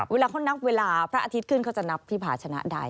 เวลาเขานับเวลาพระอาทิตย์ขึ้นเขาจะนับพี่ผาชนะใด